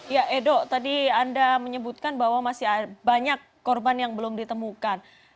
ya edo tadi anda menyebutkan bahwa masih banyak korban yang belum ditemukan